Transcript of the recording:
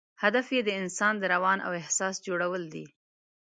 هدف یې د انسان د روان او احساس جوړول دي.